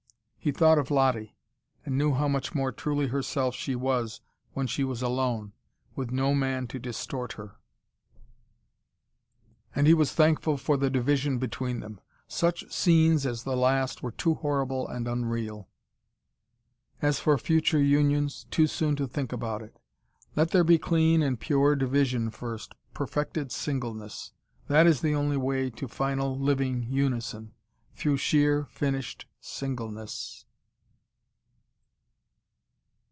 He thought of Lottie, and knew how much more truly herself she was when she was alone, with no man to distort her. And he was thankful for the division between them. Such scenes as the last were too horrible and unreal. As for future unions, too soon to think about it. Let there be clean and pure division first, perfected singleness. That is the only way to final, living unison: through sheer, finished singleness.